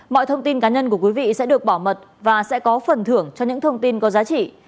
mọi thông tin cá nhân của quý vị sẽ được bảo mật và sẽ có phần thưởng cho những thông tin có giá trị